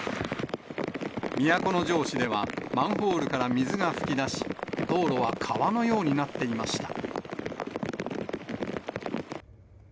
都城市では、マンホールから水が噴き出し、道路は川のようになっていました。